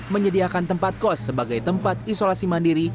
menyediakan tempat kos sebagai tempat isolasi mandiri